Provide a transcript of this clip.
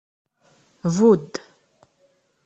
Budd.